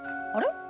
あれ？